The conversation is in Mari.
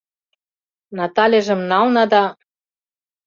Натальыжым нална да